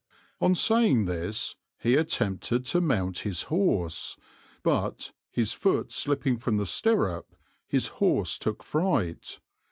On saying this he attempted to mount his horse, but, his foot slipping from the stirrup, his horse took fright.